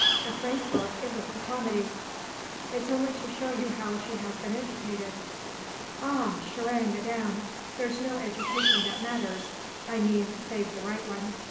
The phrase book isn't the comedy!" "It's only to show you how she has been educated." "Ah, chère madame, there's no education that matters! I mean save the right one.